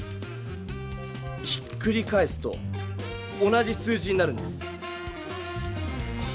ひっくり返すと同じ数字になるんです。